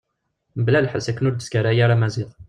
Mebla lḥess akken ur d-teskaray ara Maziɣ.